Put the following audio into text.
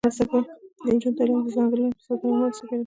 د نجونو تعلیم د ځنګلونو په ساتنه کې مرسته کوي.